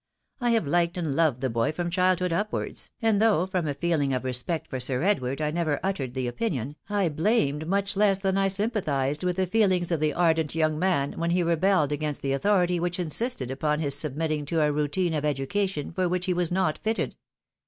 I have liked and loved the boy from childhood upwards ; and though from a feeling of respect for Sir Edward I never uttered the opinion, I blamed much less than I sympathised with the feelings of the ardent young man when he rebelled against the authority which insisted upon his submitting to a routine of education for which he was not fitted.